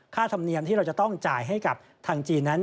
ธรรมเนียมที่เราจะต้องจ่ายให้กับทางจีนนั้น